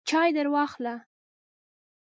چای درواخله !